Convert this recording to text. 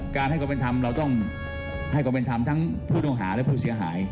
ให้ความเป็นธรรมเราต้องให้ความเป็นธรรมทั้งผู้ต้องหาและผู้เสียหาย